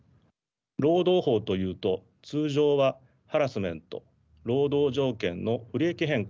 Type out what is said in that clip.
労働法というと通常はハラスメント労働条件の不利益変更